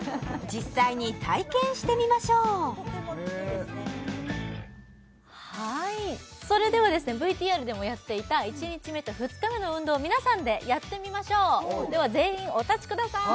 実際に体験してみましょうはいそれではですねＶＴＲでもやっていた１日目と２日目の運動を皆さんでやってみましょうでは全員お立ちください